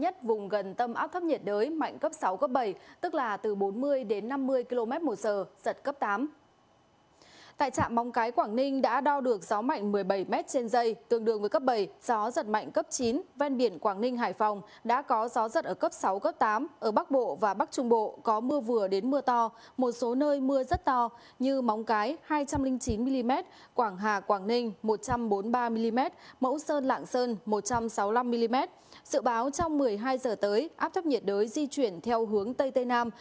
tự báo trong một mươi hai giờ tới áp thấp nhiệt đới di chuyển theo hướng tây tây nam